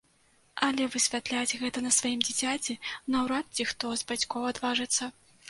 Але высвятляць гэта на сваім дзіцяці наўрад ці хто з бацькоў адважыцца.